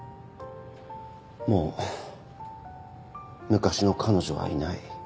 もう昔の彼女はいない。